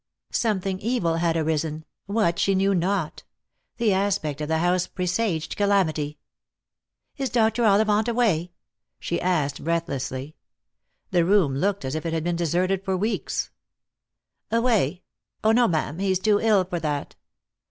Something evil had arisen — what she knew not. The aspect of the house presaged calamity. " Is Dr. Ollivant away ?" she asked breathlessly. The room looked as if it had been deserted for weeks. Lost for Love. 339 " Away ? O no, ma'am : he's too ill for that."